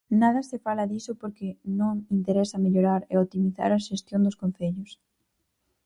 Nada se fala diso porque non interesa mellorar e optimizar a xestión dos concellos.